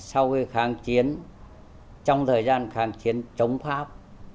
sau kháng chiến trong thời gian kháng chiến chống pháp